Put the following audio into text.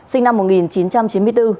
sinh năm một nghìn chín trăm chín mươi bốn